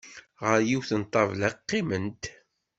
Ɣer yiwet n ṭṭabla i qqiment.